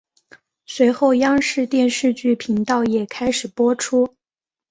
随后央视电视剧频道也开始播出。